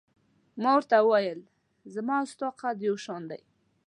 ما ورته وویل: زما او ستا قد یو شان دی.